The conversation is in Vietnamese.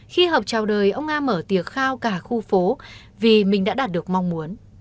khi hợp trào đời ông a mở tiệc khao cả khu phố vì mình đã đạt được mong muốn